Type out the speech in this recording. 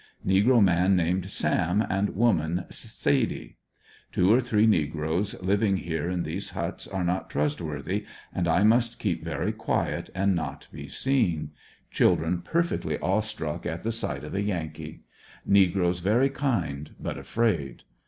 Negro man named "Sam" and woman "Sady." Two or three negroes living here in these huts are not trustworthy, and I must keep very quiet and not be seen. Chil dren perfectly awe struck at the sight of a Yankee. Negroes very kind but afraid.